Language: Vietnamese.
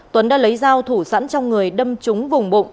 tuấn đã lấy dao thủ sẵn trong người đâm trúng vùng bụng